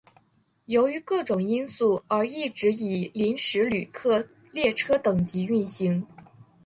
由于各种因素而一直以临时旅客列车等级运行。